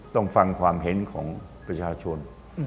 ต้องฟังความเห็นของประชาชน